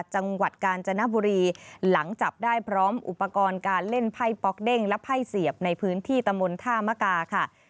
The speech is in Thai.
จังหวัดกาญจนบุรีหลังจับได้พร้อมอุปกรณ์การเล่นไพ่ป๊อกเด้งและไพ่เสียบในพื้นที่ตะมนต์ท่ามกาค่ะ